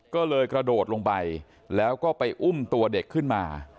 ก็เลยกระโดดลงไปแล้วก็ไปอุ้มตัวเด็กขึ้นมา